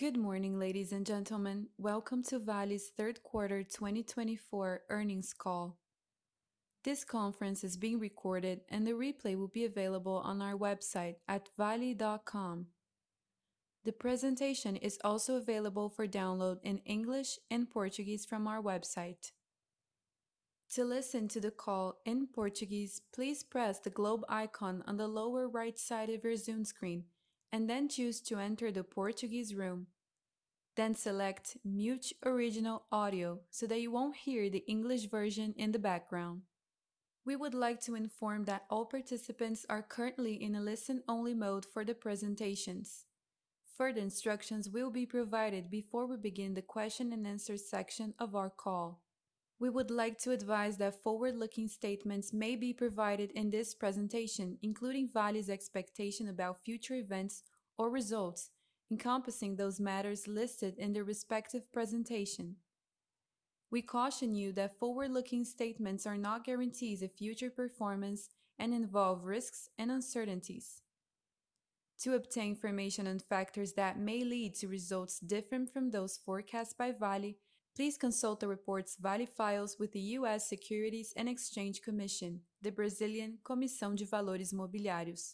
Good morning, ladies and gentlemen. Welcome to Vale's third quarter twenty twenty-four earnings call. This conference is being recorded, and the replay will be available on our website at vale.com. The presentation is also available for download in English and Portuguese from our website. To listen to the call in Portuguese, please press the globe icon on the lower right side of your Zoom screen, and then choose to enter the Portuguese room. Then select Mute Original Audio, so that you won't hear the English version in the background. We would like to inform that all participants are currently in a listen-only mode for the presentations. Further instructions will be provided before we begin the question and answer section of our call. We would like to advise that forward-looking statements may be provided in this presentation, including Vale's expectation about future events or results, encompassing those matters listed in the respective presentation. We caution you that forward-looking statements are not guarantees of future performance and involve risks and uncertainties. To obtain information on factors that may lead to results different from those forecasts by Vale, please consult the reports Vale files with the U.S. Securities and Exchange Commission, the Brazilian Comissão de Valores Mobiliários,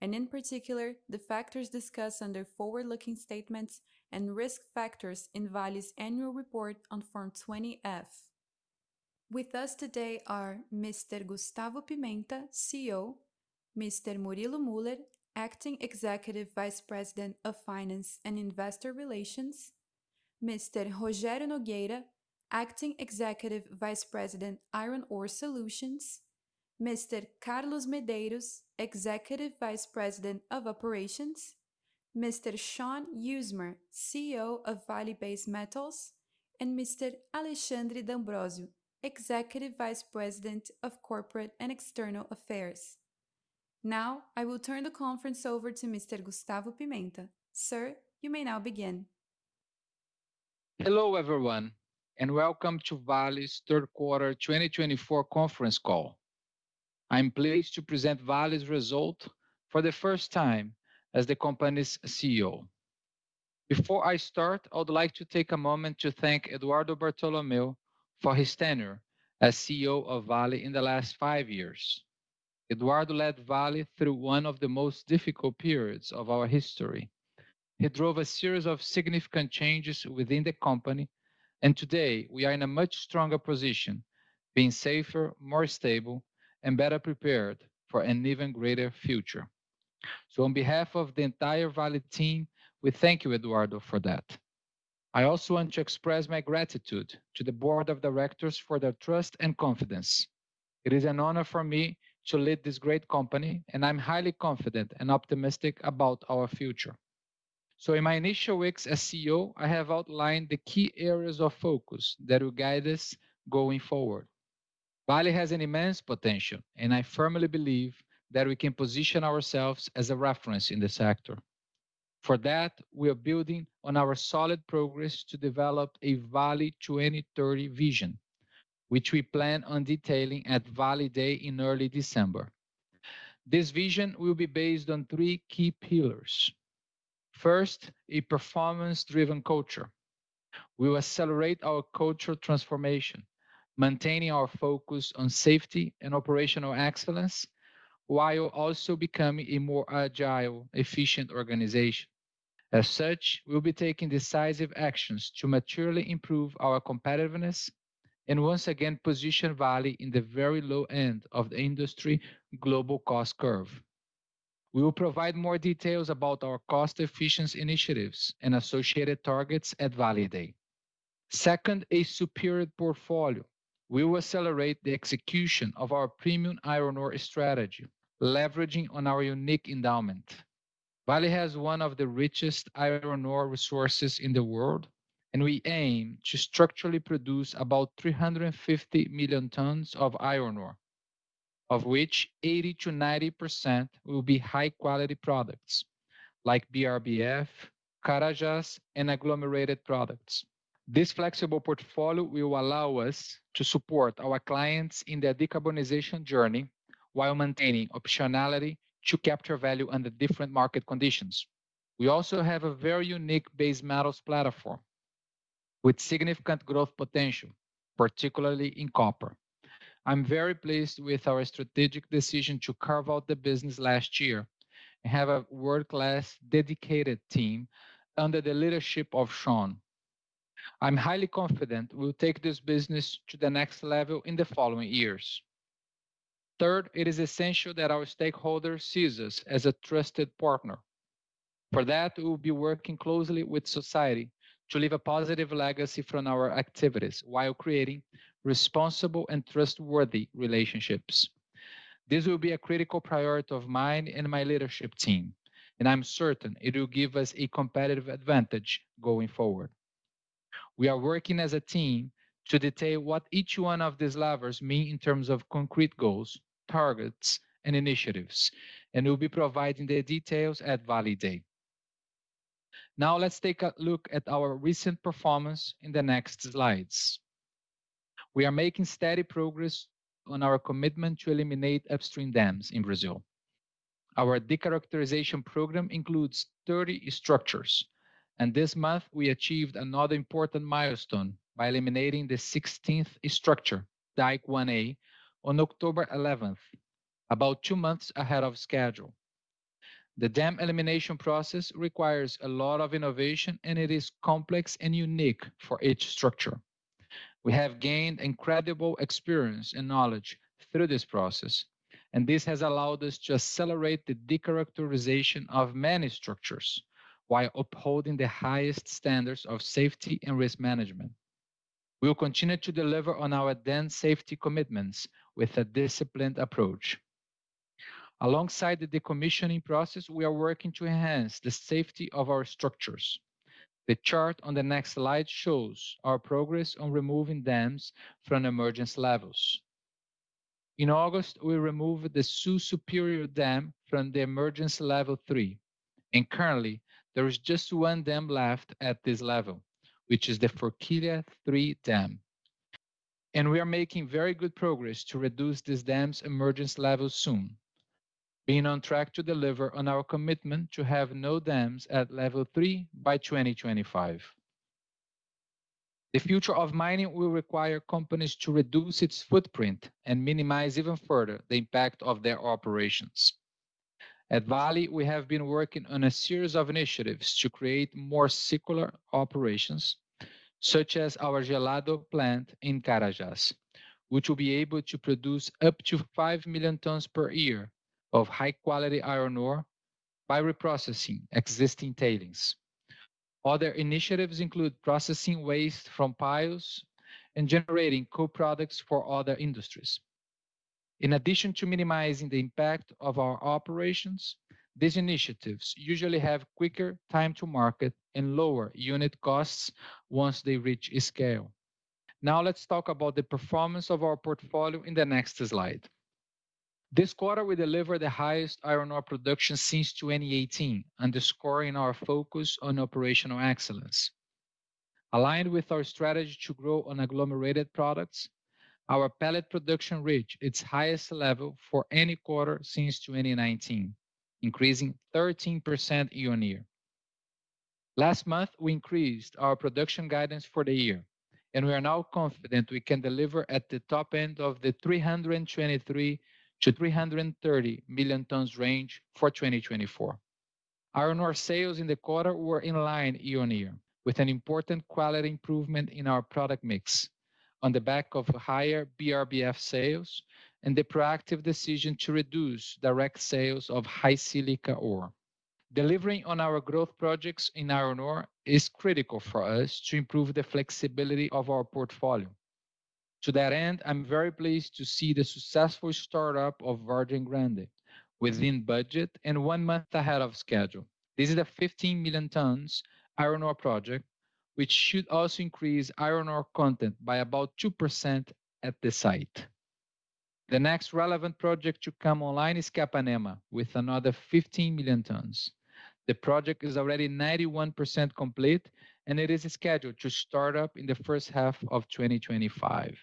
and in particular, the factors discussed under forward-looking statements and risk factors in Vale's annual report on Form 20-F. With us today are Mr. Gustavo Pimenta, CEO, Mr. Murilo Müller, Acting Executive Vice President of Finance and Investor Relations, Mr. Rogério Nogueira, Acting Executive Vice President, Iron Ore Solutions, Mr. Carlos Medeiros, Executive Vice President of Operations, Mr. Shaun Usmar, CEO of Vale Base Metals, and Mr. Alexandre D’Ambrósio, Executive Vice President of Corporate and External Affairs. Now, I will turn the conference over to Mr. Gustavo Pimenta. Sir, you may now begin. Hello, everyone, and welcome to Vale's third quarter twenty twenty-four conference call. I'm pleased to present Vale's result for the first time as the company's CEO. Before I start, I would like to take a moment to thank Eduardo Bartolomeo for his tenure as CEO of Vale in the last five years. Eduardo led Vale through one of the most difficult periods of our history. He drove a series of significant changes within the company, and today, we are in a much stronger position, being safer, more stable, and better prepared for an even greater future. So on behalf of the entire Vale team, we thank you, Eduardo, for that. I also want to express my gratitude to the Board of Directors for their trust and confidence. It is an honor for me to lead this great company, and I'm highly confident and optimistic about our future. So in my initial weeks as CEO, I have outlined the key areas of focus that will guide us going forward. Vale has an immense potential, and I firmly believe that we can position ourselves as a reference in the sector. For that, we are building on our solid progress to develop a Vale 2030 vision, which we plan on detailing at Vale Day in early December. This vision will be based on three key pillars. First, a performance-driven culture. We will accelerate our culture transformation, maintaining our focus on safety and operational excellence, while also becoming a more agile, efficient organization. As such, we'll be taking decisive actions to materially improve our competitiveness, and once again, position Vale in the very low end of the industry global cost curve. We will provide more details about our cost efficiency initiatives and associated targets at Vale Day. Second, a superior portfolio. We will accelerate the execution of our premium iron ore strategy, leveraging on our unique endowment. Vale has one of the richest iron ore resources in the world, and we aim to structurally produce about three hundred and fifty million tons of iron ore, of which 80%-90% will be high-quality products like BRBF, Carajás, and agglomerated products. This flexible portfolio will allow us to support our clients in their decarbonization journey, while maintaining optionality to capture value under different market conditions. We also have a very unique base metals platform with significant growth potential, particularly in copper. I'm very pleased with our strategic decision to carve out the business last year and have a world-class, dedicated team under the leadership of Shaun. I'm highly confident we'll take this business to the next level in the following years. Third, it is essential that our stakeholder sees us as a trusted partner. For that, we'll be working closely with society to leave a positive legacy from our activities, while creating responsible and trustworthy relationships. This will be a critical priority of mine and my leadership team, and I'm certain it will give us a competitive advantage going forward. We are working as a team to detail what each one of these levers mean in terms of concrete goals, targets, and initiatives, and we'll be providing the details at Vale Day. Now, let's take a look at our recent performance in the next slides. We are making steady progress on our commitment to eliminate upstream dams in Brazil. Our de-characterization program includes 30 structures, and this month we achieved another important milestone by eliminating the 16th structure, Dike 1A, on October eleventh, about two months ahead of schedule. The dam elimination process requires a lot of innovation, and it is complex and unique for each structure. We have gained incredible experience and knowledge through this process, and this has allowed us to accelerate the de-characterization of many structures, while upholding the highest standards of safety and risk management. We'll continue to deliver on our dam safety commitments with a disciplined approach. Alongside the decommissioning process, we are working to enhance the safety of our structures. The chart on the next slide shows our progress on removing dams from emergency levels. In August, we removed the Sul Superior Dam from Emergency Level 3, and currently there is just one dam left at this level, which is the Forquilha III Dam. We are making very good progress to reduce this dam's emergency level soon, being on track to deliver on our commitment to have no dams at level three by 2025. The future of mining will require companies to reduce its footprint and minimize even further the impact of their operations. At Vale, we have been working on a series of initiatives to create more circular operations, such as our Gelado plant in Carajás, which will be able to produce up to five million tons per year of high-quality iron ore by reprocessing existing tailings. Other initiatives include processing waste from piles and generating co-products for other industries. In addition to minimizing the impact of our operations, these initiatives usually have quicker time to market and lower unit costs once they reach scale. Now, let's talk about the performance of our portfolio in the next slide. This quarter, we delivered the highest iron ore production since 2018, underscoring our focus on operational excellence. Aligned with our strategy to grow on agglomerated products, our pellet production reached its highest level for any quarter since 2019, increasing 13% year on year. Last month, we increased our production guidance for the year, and we are now confident we can deliver at the top end of the 323- to 330-million tons range for 2024. Iron ore sales in the quarter were in line year on year, with an important quality improvement in our product mix on the back of higher BRBF sales and the proactive decision to reduce direct sales of high silica ore. Delivering on our growth projects in iron ore is critical for us to improve the flexibility of our portfolio. To that end, I'm very pleased to see the successful startup of Vargem Grande within budget and one month ahead of schedule. This is a 15 million tons iron ore project, which should also increase iron ore content by about 2% at the site. The next relevant project to come online is Capanema, with another 15 million tons. The project is already 91% complete, and it is scheduled to start up in the first half of 2025.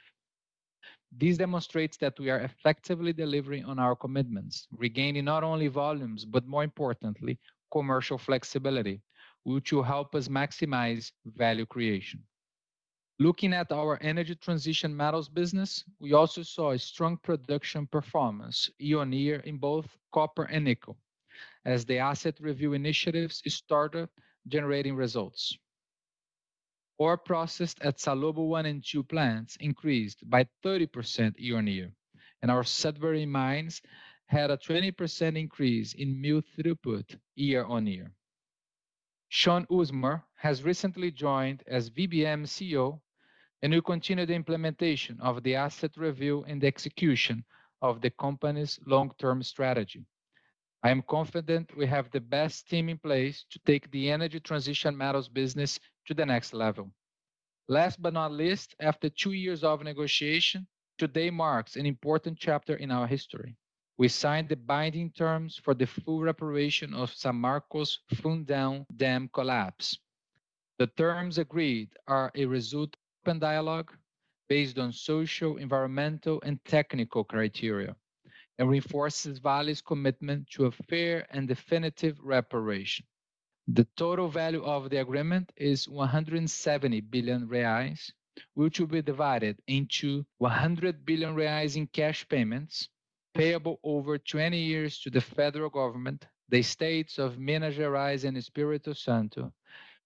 This demonstrates that we are effectively delivering on our commitments, regaining not only volumes, but more importantly, commercial flexibility, which will help us maximize value creation. Looking at our energy transition metals business, we also saw a strong production performance year on year in both copper and nickel, as the asset review initiatives started generating results. Ore processed at Salobo one and two plants increased by 30% year on year, and our Sudbury mines had a 20% increase in mill throughput year on year. Shaun Usmar has recently joined as VBM CEO, and will continue the implementation of the asset review and the execution of the company's long-term strategy. I am confident we have the best team in place to take the energy transition metals business to the next level. Last but not least, after two years of negotiation, today marks an important chapter in our history. We signed the binding terms for the full reparation of Samarco Fundão Dam collapse. The terms agreed are a result of open dialogue based on social, environmental, and technical criteria, and reinforces Vale's commitment to a fair and definitive reparation. The total value of the agreement is 170 billion reais, which will be divided into 100 billion reais in cash payments, payable over 20 years to the federal government, the states of Minas Gerais and Espírito Santo,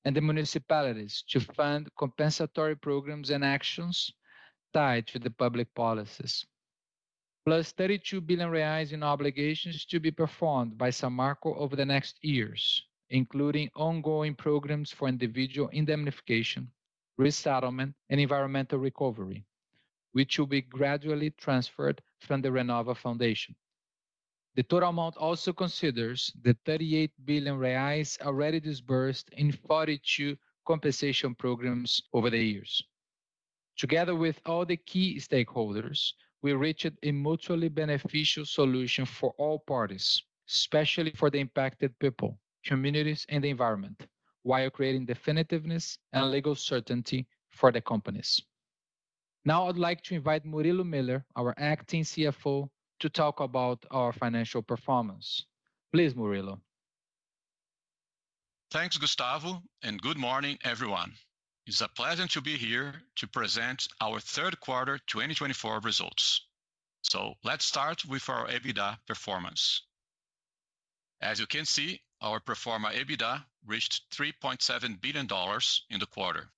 and the municipalities to fund compensatory programs and actions tied to the public policies. Plus, 32 billion reais in obligations to be performed by Samarco over the next years, including ongoing programs for individual indemnification, resettlement, and environmental recovery, which will be gradually transferred from the Renova Foundation. The total amount also considers the 38 billion reais already disbursed in 42 compensation programs over the years. Together with all the key stakeholders, we reached a mutually beneficial solution for all parties, especially for the impacted people, communities, and the environment... while creating definitiveness and legal certainty for the companies. Now, I'd like to invite Murilo Müller, our Acting CFO, to talk about our financial performance. Please, Murilo. Thanks, Gustavo, and good morning, everyone. It's a pleasure to be here to present our third quarter twenty twenty-four results. So let's start with our EBITDA performance. As you can see, our pro forma EBITDA reached $3.7 billion in the quarter,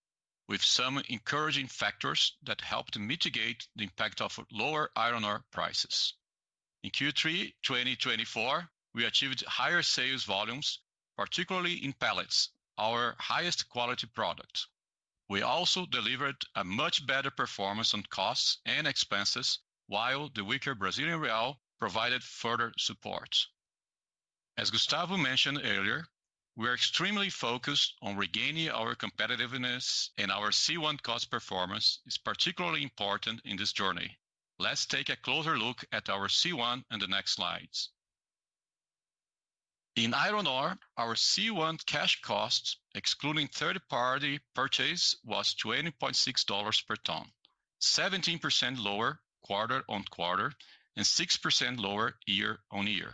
with some encouraging factors that helped mitigate the impact of lower iron ore prices. In Q3 twenty twenty-four, we achieved higher sales volumes, particularly in pellets, our highest quality product. We also delivered a much better performance on costs and expenses, while the weaker Brazilian real provided further support. As Gustavo mentioned earlier, we are extremely focused on regaining our competitiveness, and our C1 cost performance is particularly important in this journey. Let's take a closer look at our C1 in the next slides. In iron ore, our C1 cash costs, excluding third-party purchase, was $20.6 per ton, 17% lower quarter on quarter and 6% lower year on year.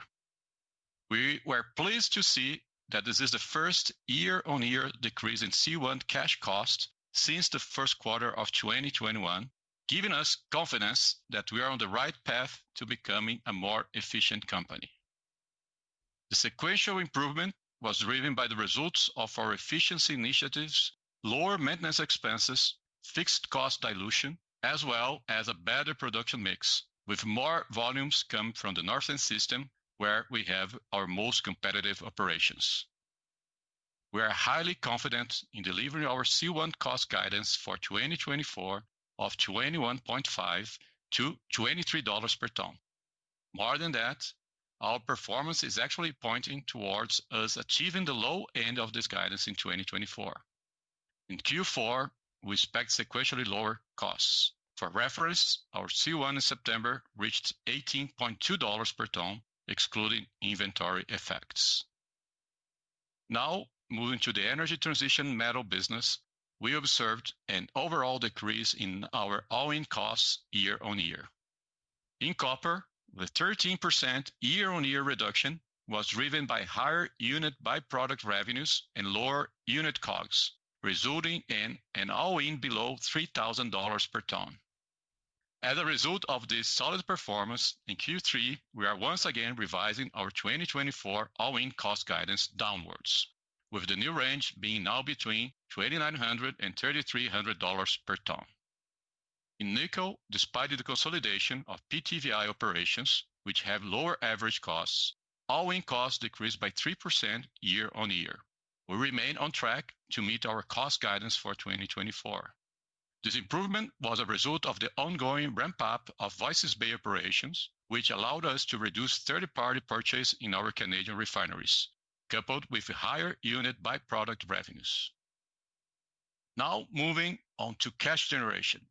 We were pleased to see that this is the first year-on-year decrease in C1 cash cost since the first quarter of 2021, giving us confidence that we are on the right path to becoming a more efficient company. The sequential improvement was driven by the results of our efficiency initiatives, lower maintenance expenses, fixed cost dilution, as well as a better production mix, with more volumes coming from the Northern System, where we have our most competitive operations. We are highly confident in delivering our C1 cost guidance for 2024 of $21.5-$23 per ton. More than that, our performance is actually pointing towards us achieving the low end of this guidance in 2024. In Q4, we expect sequentially lower costs. For reference, our C1 in September reached $18.2 per ton, excluding inventory effects. Now, moving to the energy transition metal business, we observed an overall decrease in our all-in costs year on year. In copper, the 13% year-on-year reduction was driven by higher unit by-product revenues and lower unit COGS, resulting in an all-in below $3,000 per ton. As a result of this solid performance, in Q3, we are once again revising our 2024 all-in cost guidance downwards, with the new range being now between $2,900 and $3,300 per ton. In nickel, despite the consolidation of PTVI operations, which have lower average costs, all-in costs decreased by 3% year on year. We remain on track to meet our cost guidance for 2024. This improvement was a result of the ongoing ramp-up of Voisey's Bay operations, which allowed us to reduce third-party purchase in our Canadian refineries, coupled with higher unit by-product revenues. Now, moving on to cash generation.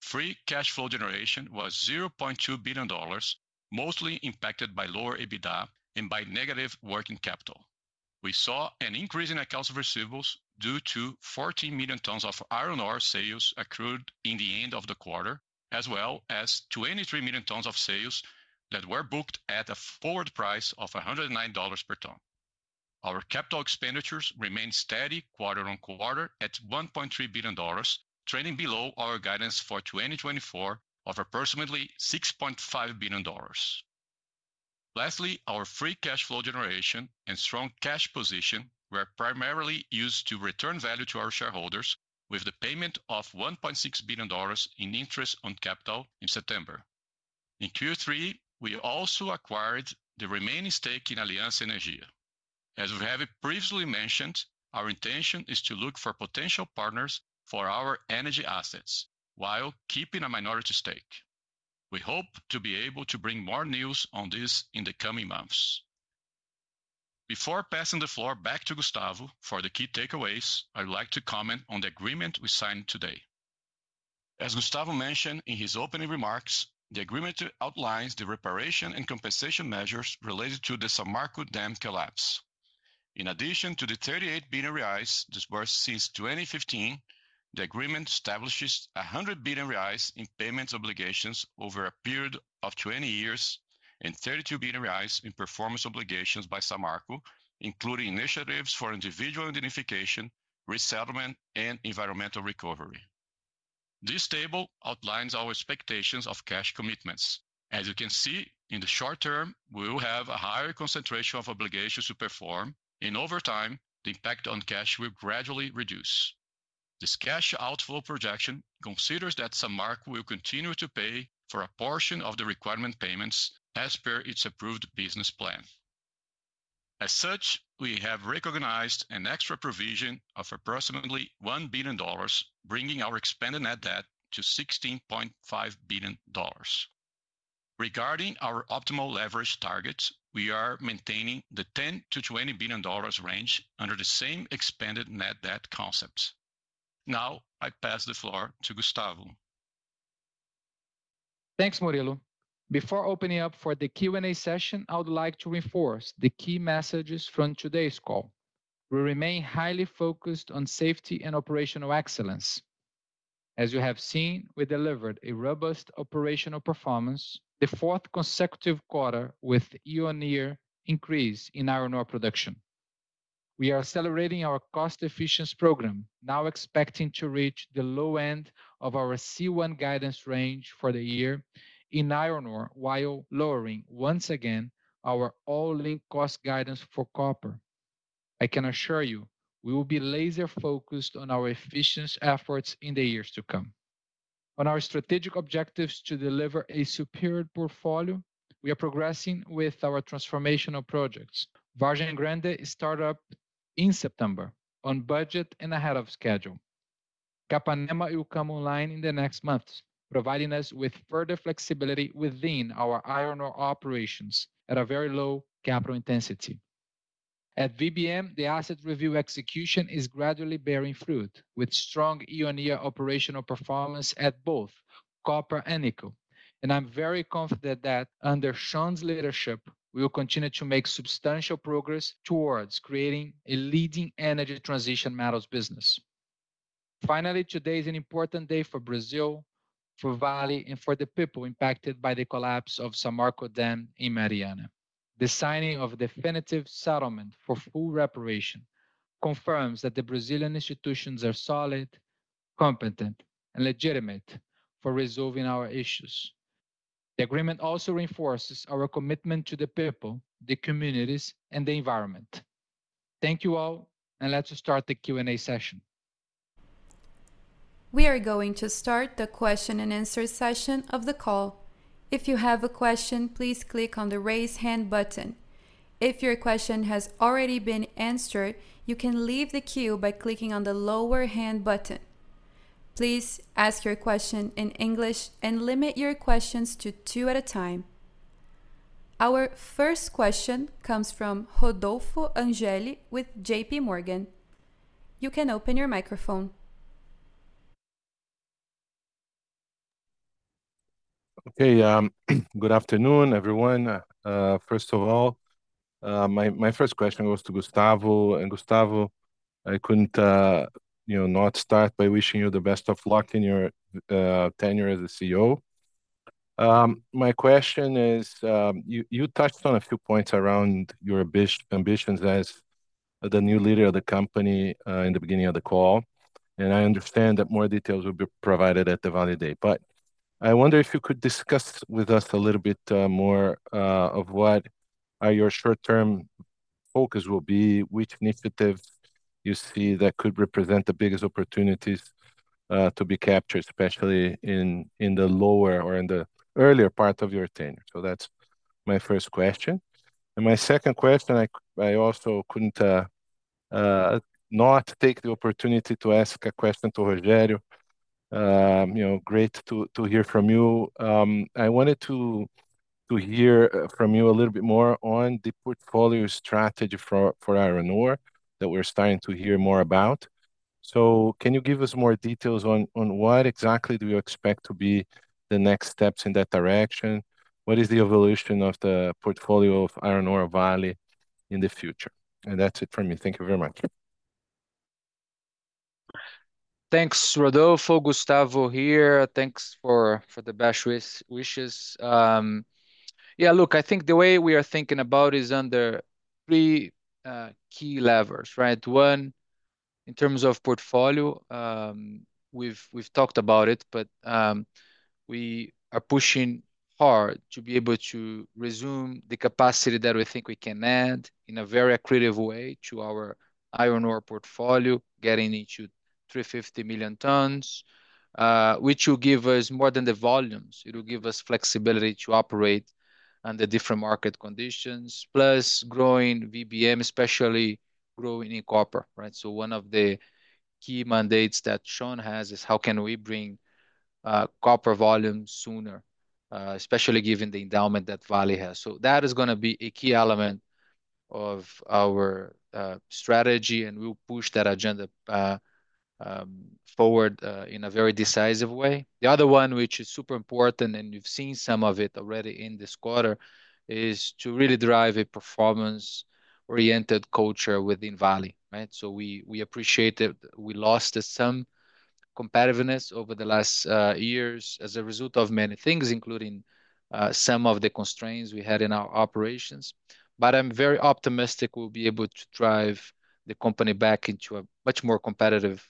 Free cash flow generation was $0.2 billion, mostly impacted by lower EBITDA and by negative working capital. We saw an increase in accounts receivables due to 14 million tons of iron ore sales accrued in the end of the quarter, as well as 23 million tons of sales that were booked at a forward price of $109 per ton. Our capital expenditures remained steady quarter on quarter at $1.3 billion, trading below our guidance for 2024 of approximately $6.5 billion. Lastly, our free cash flow generation and strong cash position were primarily used to return value to our shareholders with the payment of $1.6 billion in interest on capital in September. In Q3, we also acquired the remaining stake in Aliança Energia. As we have previously mentioned, our intention is to look for potential partners for our energy assets while keeping a minority stake. We hope to be able to bring more news on this in the coming months. Before passing the floor back to Gustavo for the key takeaways, I'd like to comment on the agreement we signed today. As Gustavo mentioned in his opening remarks, the agreement outlines the reparation and compensation measures related to the Samarco dam collapse. In addition to the 38 billion reais disbursed since 2015, the agreement establishes 100 billion reais in payment obligations over a period of 20 years, and 32 billion reais in performance obligations by Samarco, including initiatives for individual indemnification, resettlement, and environmental recovery. This table outlines our expectations of cash commitments. As you can see, in the short term, we will have a higher concentration of obligations to perform, and over time, the impact on cash will gradually reduce. This cash outflow projection considers that Samarco will continue to pay for a portion of the requirement payments as per its approved business plan. As such, we have recognized an extra provision of approximately $1 billion, bringing our expanded net debt to $16.5 billion. Regarding our optimal leverage targets, we are maintaining the $10-$20 billion range under the same expanded net debt concepts. Now, I pass the floor to Gustavo. ... Thanks, Murilo. Before opening up for the Q&A session, I would like to reinforce the key messages from today's call. We remain highly focused on safety and operational excellence. As you have seen, we delivered a robust operational performance, the fourth consecutive quarter with year-on-year increase in iron ore production. We are accelerating our cost efficiency program, now expecting to reach the low end of our C1 guidance range for the year in iron ore, while lowering, once again, our all-in cost guidance for copper. I can assure you, we will be laser focused on our efficiency efforts in the years to come. On our strategic objectives to deliver a superior portfolio, we are progressing with our transformational projects. Vargem Grande started up in September, on budget and ahead of schedule. Capanema will come online in the next months, providing us with further flexibility within our iron ore operations at a very low capital intensity. At VBM, the asset review execution is gradually bearing fruit, with strong year-on-year operational performance at both copper and nickel. And I'm very confident that under Shaun's leadership, we will continue to make substantial progress towards creating a leading energy transition metals business. Finally, today is an important day for Brazil, for Vale, and for the people impacted by the collapse of Samarco dam in Mariana. The signing of a definitive settlement for full reparation confirms that the Brazilian institutions are solid, competent, and legitimate for resolving our issues. The agreement also reinforces our commitment to the people, the communities, and the environment. Thank you all, and let's start the Q&A session. We are going to start the question and answer session of the call. If you have a question, please click on the Raise Hand button. If your question has already been answered, you can leave the queue by clicking on the Lower Hand button. Please ask your question in English, and limit your questions to two at a time. Our first question comes from Rodolfo Angele with J.P. Morgan. You can open your microphone. Okay, good afternoon, everyone. First of all, my first question goes to Gustavo. And Gustavo, I couldn't, you know, not start by wishing you the best of luck in your tenure as a CEO. My question is, you touched on a few points around your ambitions as the new leader of the company in the beginning of the call, and I understand that more details will be provided at the Vale Day. But I wonder if you could discuss with us a little bit more of what are your short-term focus will be, which initiatives you see that could represent the biggest opportunities to be captured, especially in the lower or in the earlier part of your tenure? So that's my first question. And my second question, I also couldn't not take the opportunity to ask a question to Rogério. You know, great to hear from you. I wanted to hear from you a little bit more on the portfolio strategy for iron ore that we're starting to hear more about. So can you give us more details on what exactly do you expect to be the next steps in that direction? What is the evolution of the portfolio of iron ore Vale in the future? And that's it from me. Thank you very much. Thanks, Rodolfo. Gustavo here. Thanks for the best wishes. Yeah, look, I think the way we are thinking about is under three key levers, right? One, in terms of portfolio, we've talked about it, but we are pushing hard to be able to resume the capacity that we think we can add in a very accretive way to our iron ore portfolio, getting it to 350 million tons, which will give us more than the volumes. It'll give us flexibility to operate under different market conditions, plus growing VBM, especially growing in copper, right? So one of the key mandates that Shaun has is: how can we bring copper volumes sooner, especially given the endowment that Vale has? So that is gonna be a key element of our strategy, and we'll push that agenda forward in a very decisive way. The other one, which is super important, and you've seen some of it already in this quarter, is to really drive a performance-oriented culture within Vale, right? So we appreciate it. We lost some competitiveness over the last years as a result of many things, including some of the constraints we had in our operations. But I'm very optimistic we'll be able to drive the company back into a much more competitive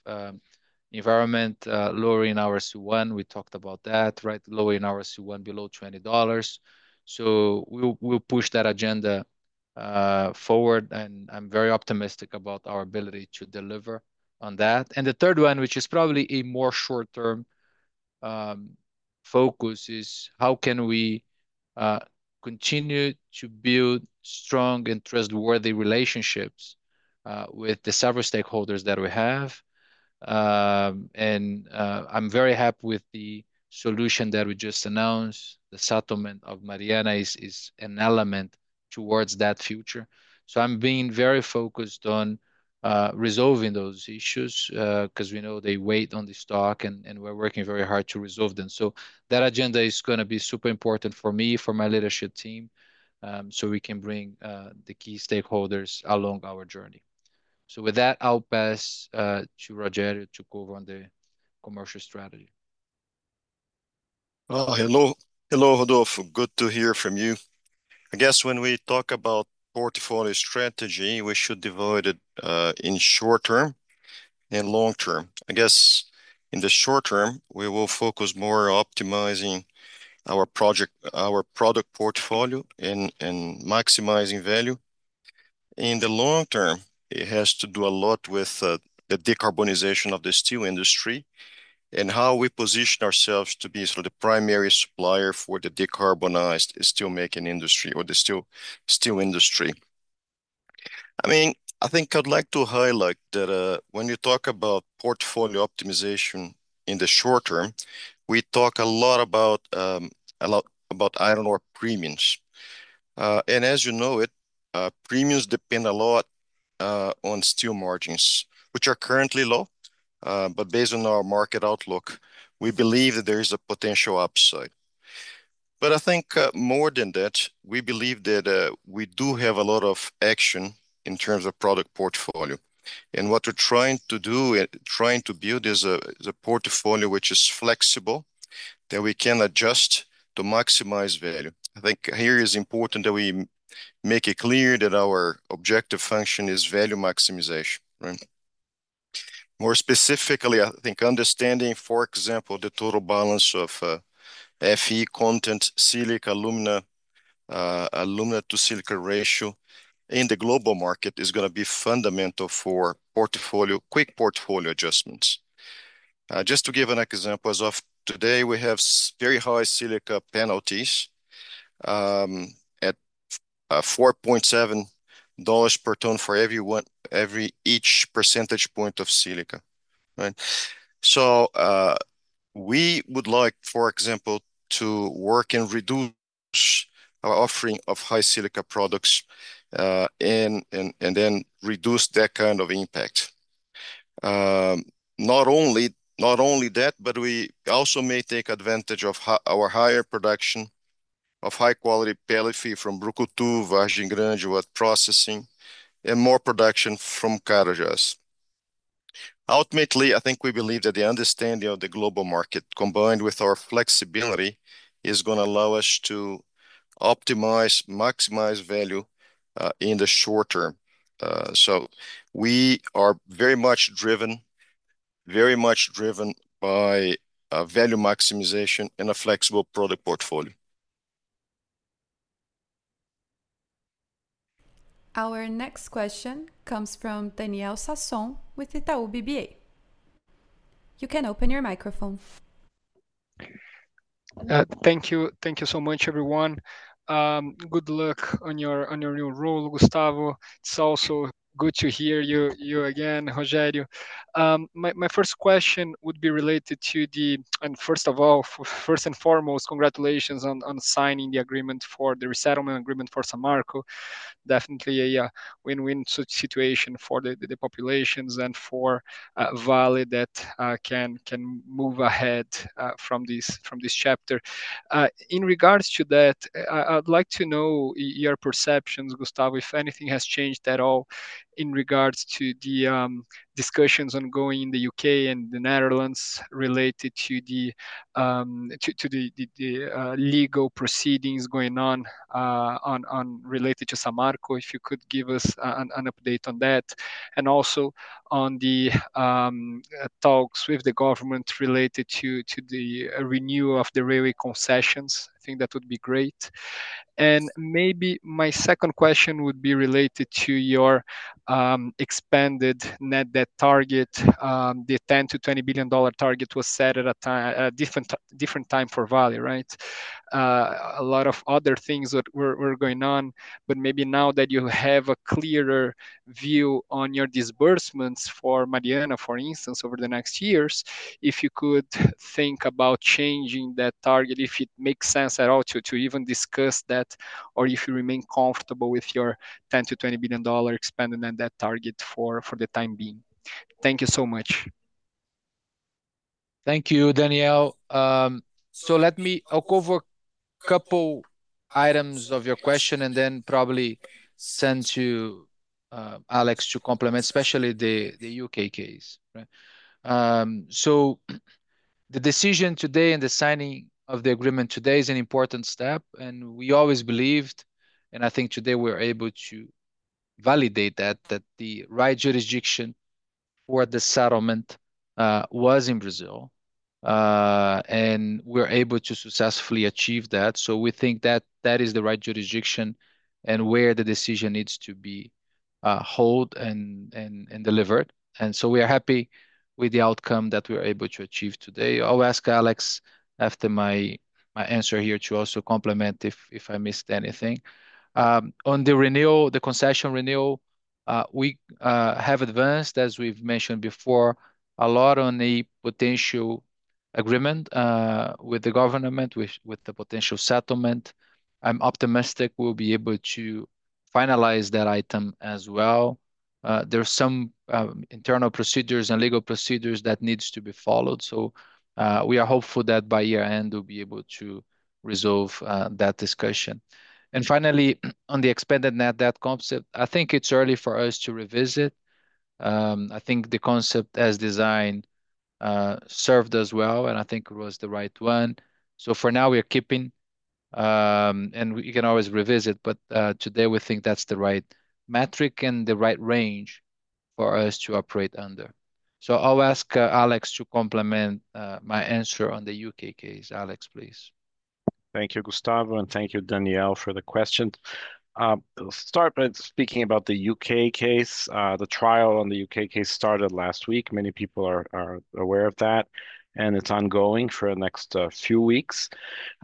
environment, lowering our C1, we talked about that, right? Lowering our C1 below $20. So we'll push that agenda forward, and I'm very optimistic about our ability to deliver on that. And the third one, which is probably a more short-term focus, is how can we continue to build strong and trustworthy relationships with the several stakeholders that we have? And I'm very happy with the solution that we just announced. The settlement of Mariana is an element towards that future. So I'm being very focused on resolving those issues, 'cause we know they weigh on the stock, and we're working very hard to resolve them. So that agenda is gonna be super important for me, for my leadership team, so we can bring the key stakeholders along our journey. So with that, I'll pass to Rogério to go over the commercial strategy. Hello. Hello, Rodolfo. Good to hear from you. I guess when we talk about portfolio strategy, we should divide it in short term and long term. I guess in the short term, we will focus more on optimizing our product portfolio and maximizing value. In the long term, it has to do a lot with the decarbonization of the steel industry, and how we position ourselves to be sort of the primary supplier for the decarbonized steelmaking industry or the steel industry. I mean, I think I'd like to highlight that when you talk about portfolio optimization in the short term, we talk a lot about iron ore premiums. And as you know, premiums depend a lot on steel margins, which are currently low. But based on our market outlook, we believe that there is a potential upside. But I think, more than that, we believe that, we do have a lot of action in terms of product portfolio. And what we're trying to do and trying to build is a portfolio which is flexible, that we can adjust to maximize value. I think here is important that we make it clear that our objective function is value maximization, right? More specifically, I think understanding, for example, the total balance of, Fe content, silica, alumina, alumina to silica ratio in the global market is gonna be fundamental for portfolio quick portfolio adjustments. Just to give an example, as of today, we have very high silica penalties, at $4.7 per ton for each percentage point of silica, right? We would like, for example, to work and reduce our offering of high silica products, and then reduce that kind of impact. Not only that, but we also may take advantage of our higher production of high-quality pellets from Brucutu, Vargem Grande, with processing, and more production from Carajás. Ultimately, I think we believe that the understanding of the global market, combined with our flexibility, is gonna allow us to optimize, maximize value, in the short term. We are very much driven by value maximization and a flexible product portfolio. Our next question comes from Daniel Sasson, with Itaú BBA. You can open your microphone. Thank you. Thank you so much, everyone. Good luck on your new role, Gustavo. It's also good to hear you again, Rogério. My first question would be related to the and first of all, first and foremost, congratulations on signing the agreement for the resettlement agreement for Samarco. Definitely a win-win situation for the populations and for Vale that can move ahead from this chapter. In regards to that, I'd like to know your perceptions, Gustavo, if anything has changed at all in regards to the discussions ongoing in the U.K. and the Netherlands related to the legal proceedings going on related to Samarco. If you could give us an update on that, and also on the talks with the government related to the renewal of the railway concessions, I think that would be great. And maybe my second question would be related to your expanded net debt target. The $10 billion-$20 billion target was set at a different time for Vale, right? A lot of other things that were going on, but maybe now that you have a clearer view on your disbursements for Mariana, for instance, over the next years, if you could think about changing that target, if it makes sense at all to even discuss that, or if you remain comfortable with your $10 billion-$20 billion expanded net debt target for the time being. Thank you so much. Thank you, Daniel. So let me. I'll go over a couple items of your question and then probably send to Alex to complement, especially the U.K. case, right? So the decision today and the signing of the agreement today is an important step, and we always believed, and I think today we're able to validate that the right jurisdiction for the settlement was in Brazil. And we're able to successfully achieve that, so we think that that is the right jurisdiction and where the decision needs to be held and delivered, and so we are happy with the outcome that we were able to achieve today. I'll ask Alex, after my answer here, to also complement if I missed anything. On the renewal, the concession renewal, we have advanced, as we've mentioned before, a lot on the potential agreement with the government, with the potential settlement. I'm optimistic we'll be able to finalize that item as well. There are some internal procedures and legal procedures that need to be followed, so we are hopeful that by year-end we'll be able to resolve that discussion. Finally, on the expanded net debt concept, I think it's early for us to revisit. I think the concept as designed served us well, and I think it was the right one. For now, we are keeping. We can always revisit, but today we think that's the right metric and the right range for us to operate under. So I'll ask, Alex, to complement my answer on the U.K. case. Alex, please. Thank you, Gustavo, and thank you, Daniel, for the question. I'll start by speaking about the U.K. case. The trial on the U.K. case started last week. Many people are aware of that, and it's ongoing for the next few weeks.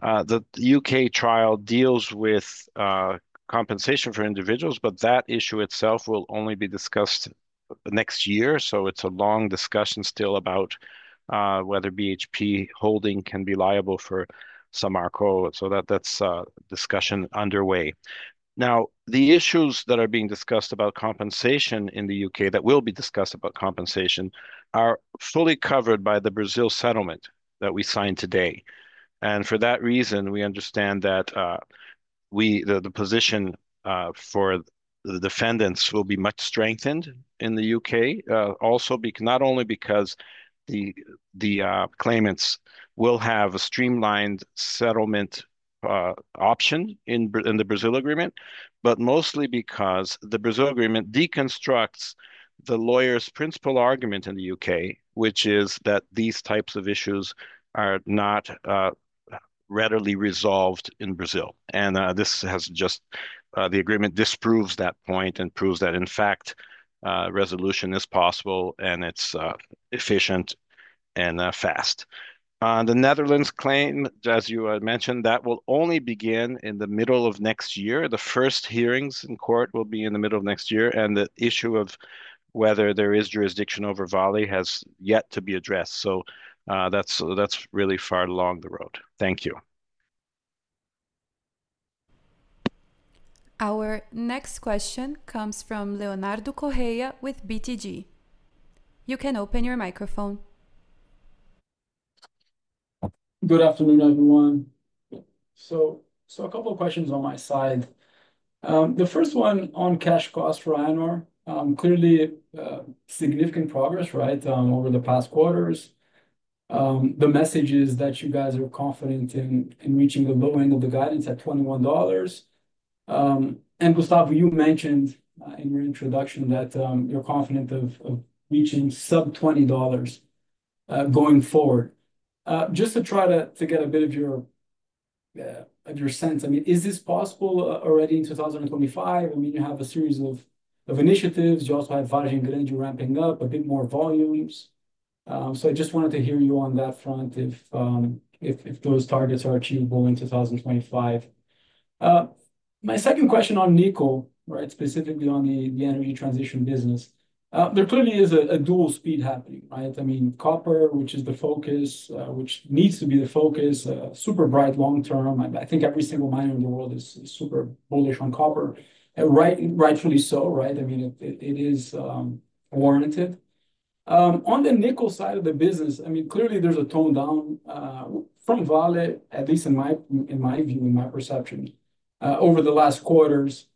The U.K. trial deals with compensation for individuals, but that issue itself will only be discussed next year, so it's a long discussion still about whether BHP holding can be liable for Samarco. So that, that's a discussion underway. Now, the issues that are being discussed about compensation in the U.K., that will be discussed about compensation, are fully covered by the Brazil settlement that we signed today. And for that reason, we understand that the position for the defendants will be much strengthened in the U.K. Also, not only because the claimants will have a streamlined settlement option in the Brazil agreement, but mostly because the Brazil agreement deconstructs the lawyers' principal argument in the U.K., which is that these types of issues are not readily resolved in Brazil. And this has just the agreement disproves that point and proves that, in fact, resolution is possible, and it's efficient and fast. The Netherlands claim, as you mentioned, that will only begin in the middle of next year. The first hearings in court will be in the middle of next year, and the issue of whether there is jurisdiction over Vale has yet to be addressed, so that's really far along the road. Thank you. Our next question comes from Leonardo Correa with BTG. You can open your microphone. Good afternoon, everyone. So a couple of questions on my side. The first one on cash costs for iron ore. Clearly, significant progress, right? Over the past quarters. The message is that you guys are confident in reaching the low end of the guidance at $21. And Gustavo, you mentioned in your introduction that you're confident of reaching sub-$20 going forward. Just to try to get a bit of your sense, I mean, is this possible already in 2025? I mean, you have a series of initiatives. You also have Vargem Grande ramping up, a bit more volumes. So I just wanted to hear you on that front, if those targets are achievable in 2025. My second question on nickel, right, specifically on the energy transition business. There clearly is a dual speed happening, right? I mean, copper, which is the focus, which needs to be the focus, super bright long term. I think every single miner in the world is super bullish on copper, right, rightfully so, right? I mean, it is warranted. On the nickel side of the business, I mean, clearly there's a tone down from Vale, at least in my view, in my perception, over the last quarters.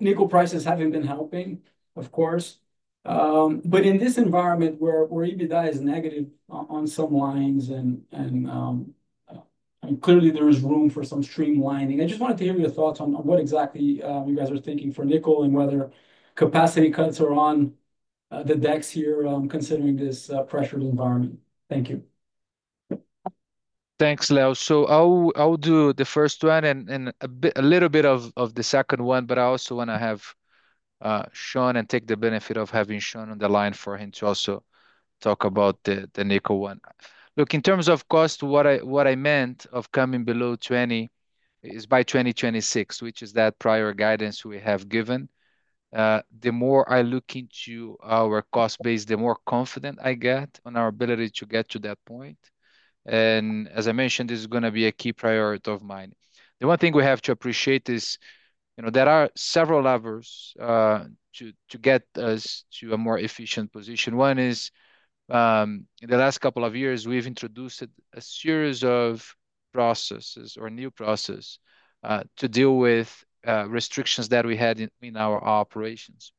Nickel prices haven't been helping, of course. But in this environment where EBITDA is negative on some lines and clearly there is room for some streamlining, I just wanted to hear your thoughts on what exactly you guys are thinking for nickel and whether capacity cuts are on the decks here, considering this pressured environment. Thank you. Thanks, Leo. So I'll do the first one and a bit of the second one, but I also wanna have Shaun and take the benefit of having Shaun on the line for him to also talk about the nickel one. Look, in terms of cost, what I meant of coming below 20 is by 2026, which is that prior guidance we have given. The more I look into our cost base, the more confident I get on our ability to get to that point. And as I mentioned, this is gonna be a key priority of mine. The one thing we have to appreciate is, you know, there are several levers to get us to a more efficient position. One is, in the last couple of years, we've introduced a series of processes or new process to deal with restrictions that we had in our operations.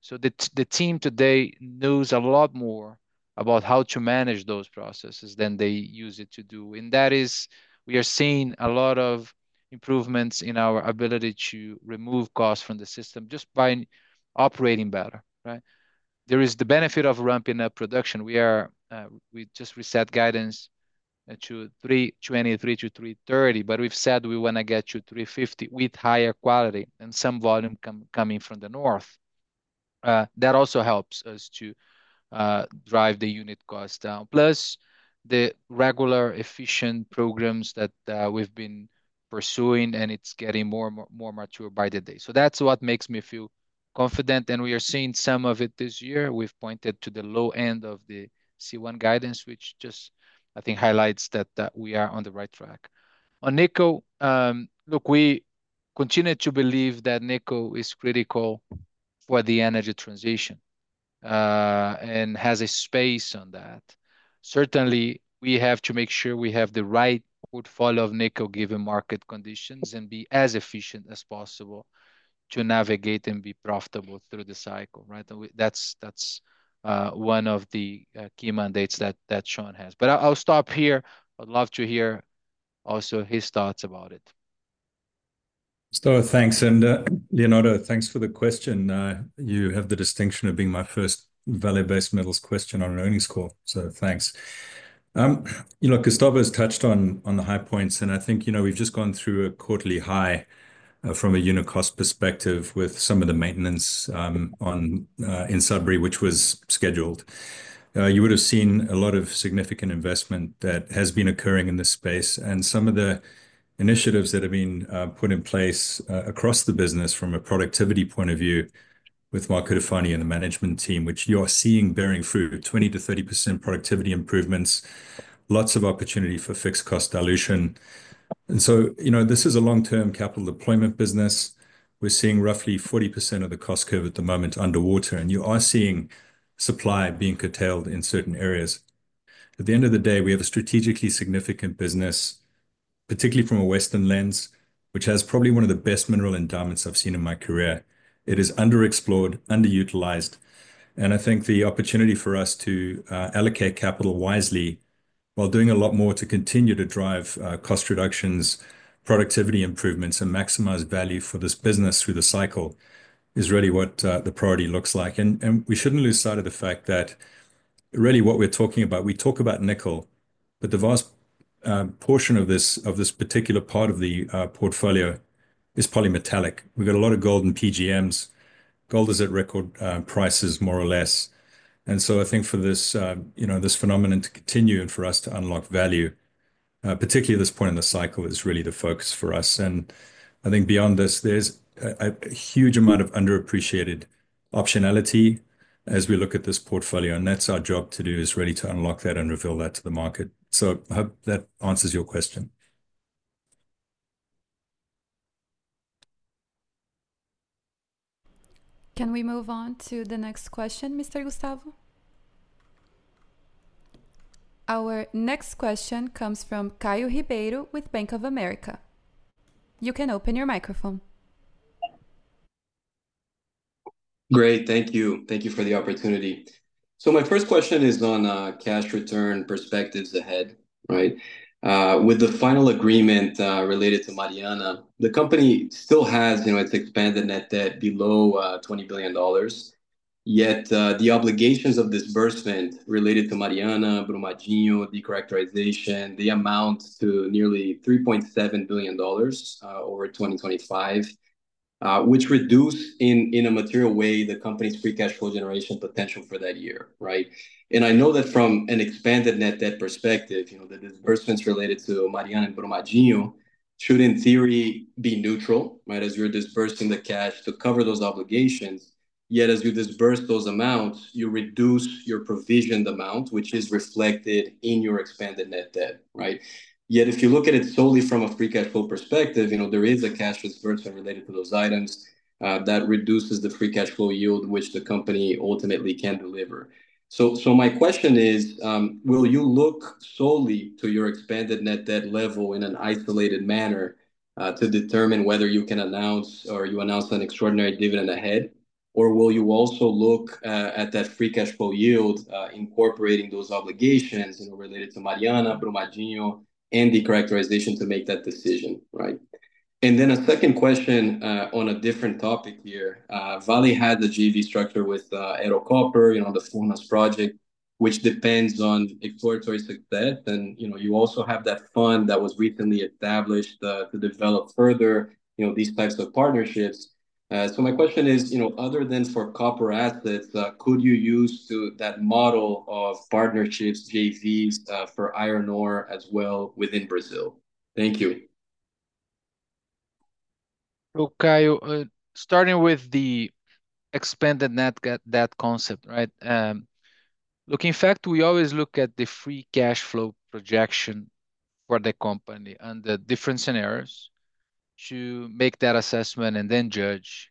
So the team today knows a lot more about how to manage those processes than they used to do, and that is we are seeing a lot of improvements in our ability to remove costs from the system just by operating better, right? There is the benefit of ramping up production. We are, we just reset guidance to 320-330, but we've said we wanna get to 350, with higher quality and some volume coming from the north. That also helps us to drive the unit cost down, plus the regular efficient programs that we've been pursuing, and it's getting more and more mature by the day. So that's what makes me feel confident, and we are seeing some of it this year. We've pointed to the low end of the C1 guidance, which just, I think, highlights that we are on the right track. On nickel, look, we continue to believe that nickel is critical for the energy transition, and has a space on that. Certainly, we have to make sure we have the right portfolio of nickel, given market conditions, and be as efficient as possible to navigate and be profitable through the cycle, right? That's one of the key mandates that Shaun has. But I'll stop here. I'd love to hear also his thoughts about it. So thanks, and, Leonardo, thanks for the question. You have the distinction of being my first Vale Base Metals question on an earnings call, so thanks. You know, Gustavo's touched on the high points, and I think, you know, we've just gone through a quarterly high from a unit cost perspective with some of the maintenance on in Sudbury, which was scheduled. You would have seen a lot of significant investment that has been occurring in this space, and some of the initiatives that have been put in place across the business from a productivity point of view with Mark Cutifani and the management team, which you are seeing bearing fruit, 20%-30% productivity improvements, lots of opportunity for fixed cost dilution. And so, you know, this is a long-term capital deployment business. We're seeing roughly 40% of the cost curve at the moment underwater, and you are seeing supply being curtailed in certain areas. At the end of the day, we have a strategically significant business, particularly from a Western lens, which has probably one of the best mineral endowments I've seen in my career. It is underexplored, underutilized, and I think the opportunity for us to allocate capital wisely, while doing a lot more to continue to drive cost reductions, productivity improvements, and maximize value for this business through the cycle, is really what the priority looks like. And we shouldn't lose sight of the fact that really what we're talking about, we talk about nickel, but the vast portion of this particular part of the portfolio is polymetallic. We've got a lot of gold and PGMs. Gold is at record prices, more or less, and so I think for this you know this phenomenon to continue and for us to unlock value, particularly at this point in the cycle, is really the focus for us. And I think beyond this, there's a huge amount of underappreciated optionality as we look at this portfolio, and that's our job to do, is really to unlock that and reveal that to the market. So I hope that answers your question. Can we move on to the next question, Mr. Gustavo? Our next question comes from Caio Ribeiro with Bank of America. You can open your microphone. Great. Thank you. Thank you for the opportunity. So my first question is on cash return perspectives ahead, right? With the final agreement related to Mariana, the company still has, you know, its expanded net debt below $20 billion, yet the obligations of disbursement related to Mariana, Brumadinho, the de-characterization, they amount to nearly $3.7 billion over 2025. Which reduce in a material way the company's free cash flow generation potential for that year, right? And I know that from an expanded net debt perspective, you know, the disbursements related to Mariana and Brumadinho should, in theory, be neutral, right, as you're disbursing the cash to cover those obligations. Yet as you disburse those amounts, you reduce your provisioned amount, which is reflected in your expanded net debt, right? Yet, if you look at it solely from a free cash flow perspective, you know, there is a cash disbursement related to those items that reduces the free cash flow yield, which the company ultimately can deliver. So my question is, will you look solely to your expanded net debt level in an isolated manner to determine whether you can announce or you announce an extraordinary dividend ahead? Or will you also look at that free cash flow yield incorporating those obligations, you know, related to Mariana, Brumadinho, and the de-characterization to make that decision, right? And then a second question on a different topic here. Vale had the JV structure with Ero Copper, you know, the Furnas Project, which depends on exploratory success. You know, you also have that fund that was recently established to develop further, you know, these types of partnerships. So my question is, you know, other than for copper assets, could you use that model of partnerships, JVs, for iron ore as well within Brazil? Thank you. Well, Caio, starting with the expanded net debt, debt concept, right? Look, in fact, we always look at the free cash flow projection for the company and the different scenarios to make that assessment and then judge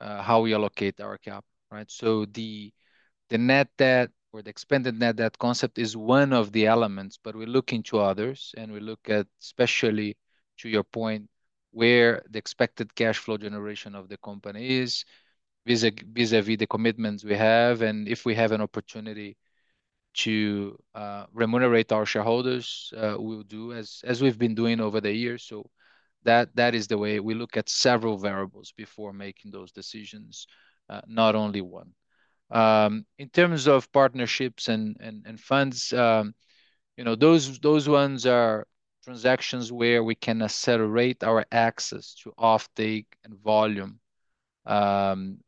how we allocate our cap, right? So the net debt or the expanded net debt concept is one of the elements, but we look into others, and we look at, especially to your point, where the expected cash flow generation of the company is vis-a-vis the commitments we have. And if we have an opportunity to remunerate our shareholders, we'll do as we've been doing over the years. So that is the way we look at several variables before making those decisions, not only one. In terms of partnerships and funds, you know, those ones are transactions where we can accelerate our access to offtake and spoken.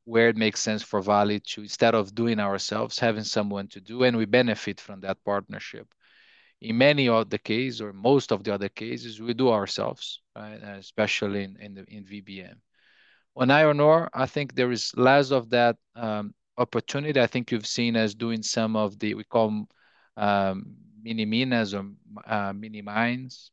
Where it makes sense for Vale to, instead of doing ourselves, having someone to do, and we benefit from that partnership. In many of the cases or most of the other cases, we do ourselves, right? Especially in VBM. On iron ore, I think there is less of that opportunity. I think you've seen us doing some of the, we call them, mini-minas or mini mines.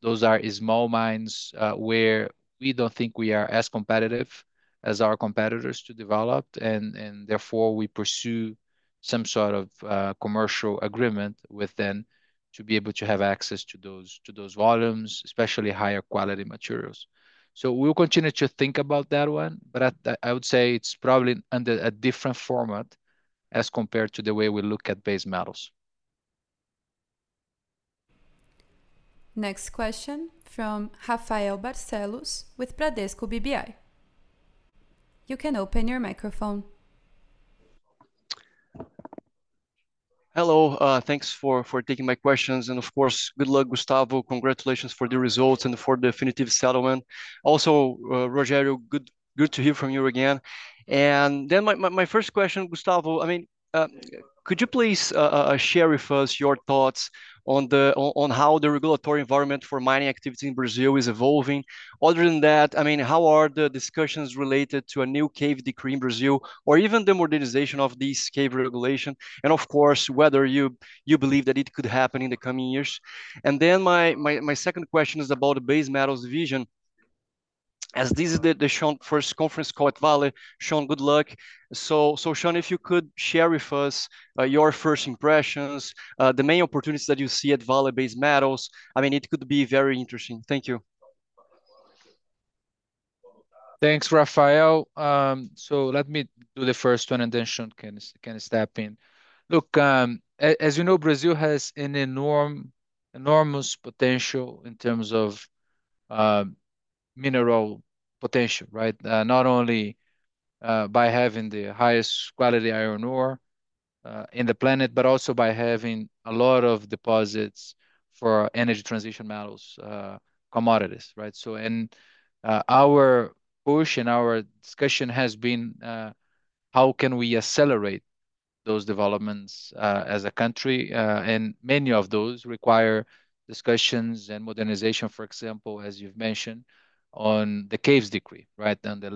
Those are small mines, where we don't think we are as competitive as our competitors to develop, and therefore we pursue some sort of commercial agreement with them to be able to have access to those volumes, especially higher quality materials. So we'll continue to think about that one, but I would say it's probably under a different format as compared to the way we look at base metals. Next question from Rafael Barcellos with Bradesco BBI. You can open your microphone. Hello. Thanks for taking my questions. And of course, good luck, Gustavo. Congratulations for the results and for the definitive settlement. Also, Rogério, good to hear from you again. And then my first question, Gustavo. I mean, could you please share with us your thoughts on how the regulatory environment for mining activity in Brazil is evolving? Other than that, I mean, how are the discussions related to a new Caves Decree in Brazil, or even the modernization of this Caves regulation, and of course, whether you believe that it could happen in the coming years? And then my second question is about the base metals division, as this is the Shaun first conference call at Vale. Shaun, good luck. So, Shaun, if you could share with us, your first impressions, the main opportunities that you see at Vale Base Metals. I mean, it could be very interesting. Thank you. Thanks, Rafael. So let me do the first one, and then Shaun can step in. Look, as you know, Brazil has an enormous potential in terms of mineral potential, right? Not only by having the highest quality iron ore in the planet, but also by having a lot of deposits for energy transition metals, commodities, right? So our push and our discussion has been how can we accelerate those developments as a country, and many of those require discussions and modernization, for example, as you've mentioned, on the Caves Decree, right, on the